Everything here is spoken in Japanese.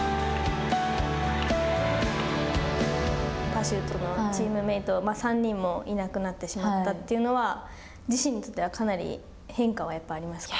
パシュートのチームメート３人もいなくなってしまったというのは自身にとってはかなり変化はやっぱりありますか。